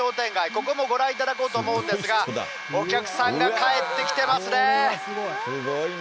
ここもご覧いただこうと思うんですが、お客さんが帰ってきてますすごいね。